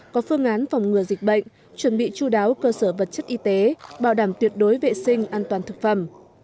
có phương án phòng ngừa dịch bệnh chuẩn bị chú đáo cơ sở vật chất y tế bảo đảm tuyệt đối vệ sinh an toàn thực phẩm